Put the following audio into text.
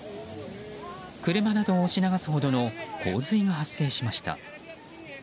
車などを押し流すほどの洪水が発生しました。